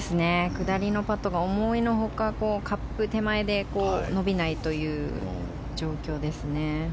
下りのパットが思いのほかカップ手前で伸びないという状況ですね。